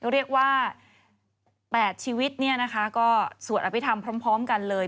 เรียกว่า๘ชีวิตก็สวดอภิษฐรรมพร้อมกันเลย